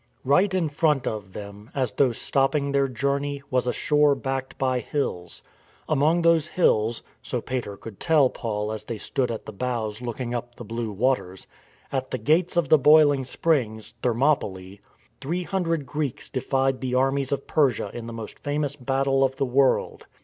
Right in front of them, as though stopping their journey, was a shore backed by hills. Among those hills (Sopater could tell Paul as they stood at the bows looking up the blue waters), at the Gates of the Boiling Springs (Thermopylae), three hundred Greeks defied the armies of Persia in the most famous battle of the world.